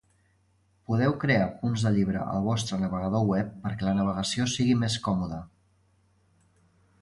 Podeu crear punts de llibre al vostre navegador web perquè la navegació sigui més còmoda.